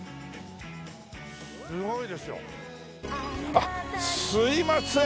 あっすいません。